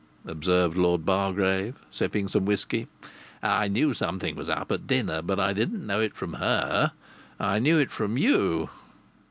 observed Lord Bargrave, sipping some whisky. "I knew something was up at dinner, but I didn't know it from her: I knew it from you."